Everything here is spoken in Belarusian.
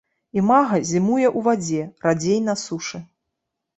Імага зімуе ў вадзе, радзей на сушы.